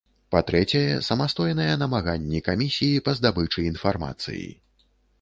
Па-трэцяе, самастойныя намаганні камісіі па здабычы інфармацыі.